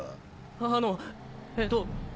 あのえっと